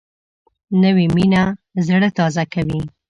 نوې مینه زړه تازه کوي